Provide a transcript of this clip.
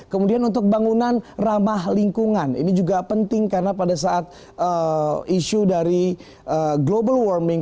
kemudian untuk bangunan ramah lingkungan ini juga penting karena pada saat isu dari global warming